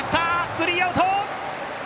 スリーアウト！